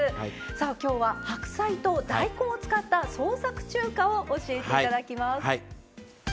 今日は白菜と大根を使った創作中華を教えていただきます。